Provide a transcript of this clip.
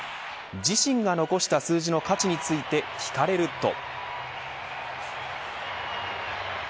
自身が残した数字の価値について聞かれると。